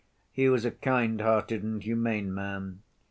He was a kind‐hearted and humane man.